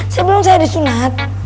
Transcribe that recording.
sebelum saya disunat